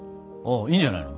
いいんじゃないの？